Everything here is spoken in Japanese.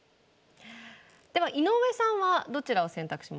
では井上さんはどちらを選択しますか。